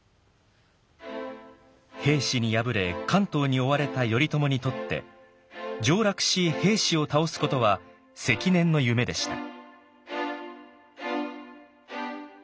平氏に敗れ関東に追われた頼朝にとって上洛し平氏を倒すことは積年の夢でした。